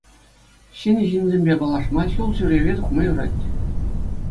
Ҫӗнӗ ҫынсемпе паллашма, ҫул ҫӳреве тухма юрать.